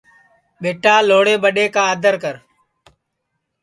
ٻیٹا لھوڑے ٻڈؔے آدر کر